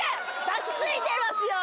抱きついてますよ！